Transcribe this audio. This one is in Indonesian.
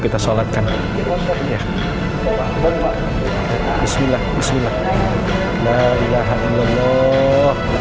kita sholatkan bismillah bismillah